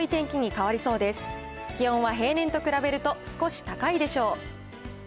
気温は平年と比べると少し高いでしょう。